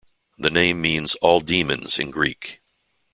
The name means "all-demons" in Greek.